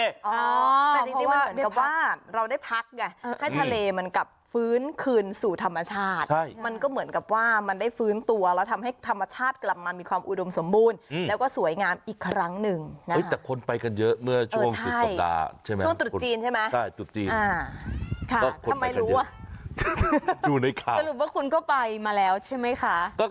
แต่จริงมันเหมือนกับว่าเราได้พักไงเออให้ทะเลมันกลับฟื้นคืนสู่ธรรมชาติใช่มันก็เหมือนกับว่ามันได้ฟื้นตัวแล้วทำให้ธรรมชาติกลับมามีความอุดมสมบูรณ์อืมแล้วก็สวยงามอีกครั้งหนึ่งนะฮะแต่คนไปกันเยอะเมื่อช่วงสุดสัปดาห์ใช่ไหมช่วงตุ๊ดจีนใช่ไหมใช่ตุ๊ด